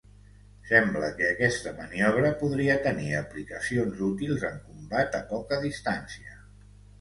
Sembla que aquesta maniobra podria tenir aplicacions útils en combat a poca distància.